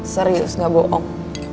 serius gak bohong